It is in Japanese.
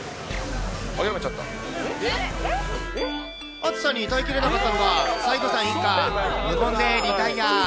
暑さに耐えきれなかったのか、サイードさん一家、無言でリタイア。